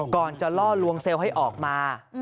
ก่อนจะล่อลวงเซลล์ให้ออกมา